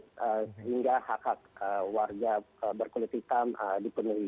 sehingga hak hak warga berkulit hitam dipenuhi